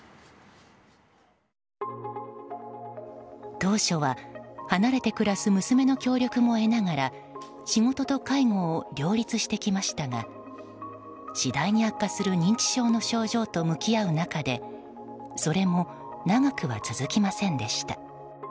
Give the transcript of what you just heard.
当初は、離れて暮らす娘の協力も得ながら仕事と介護を両立してきましたが次第に悪化する認知症の症状と向き合う中でそれも長くは続きませんでした。